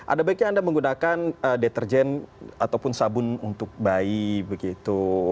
ada baiknya anda menggunakan deterjen ataupun sabun untuk bayi begitu